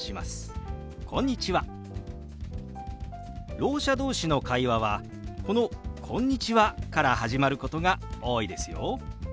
ろう者同士の会話はこの「こんにちは」から始まることが多いですよ。